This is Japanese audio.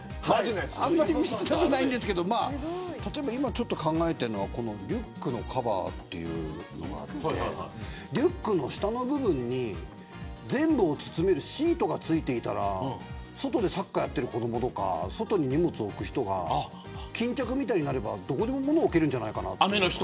あんまり見せたくないんですけど考えてるのはリュックのカバーというのがあってリュックの下の部分に全部を包めるシートが付いていたら外でサッカーをやってる子どもとか、外に荷物を置く人が巾着みたいになればどこでも物を置けるんじゃないか。